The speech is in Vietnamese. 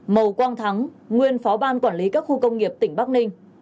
màu quang thắng nguyên phó ban quản lý các khu công nghiệp tỉnh bắc ninh